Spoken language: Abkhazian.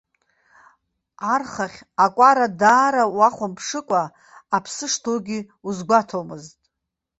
Архахь акәара даара уахәамԥшыкәа аԥсы шҭоугьы узгәаҭомызт.